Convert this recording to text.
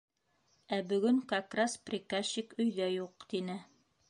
Ә бөгөн, как раз, приказчик өйҙә юҡ, — тине.